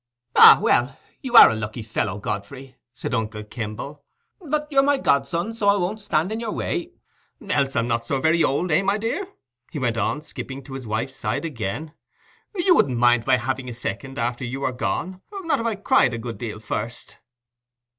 "Ah, well, you're a lucky fellow, Godfrey," said uncle Kimble; "but you're my godson, so I won't stand in your way. Else I'm not so very old, eh, my dear?" he went on, skipping to his wife's side again. "You wouldn't mind my having a second after you were gone—not if I cried a good deal first?"